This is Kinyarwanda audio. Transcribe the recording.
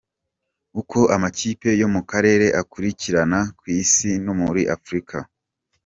Uko amakipe yo mu karere akurikirana ku isi no muri Afurika.